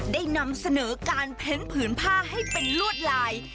ได้นำเสนอการเพ้นผืนผ้าให้เป็นลวดลาย